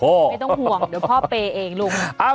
ไม่ต้องห่วงเดี๋ยวพ่อเปย์เองลูก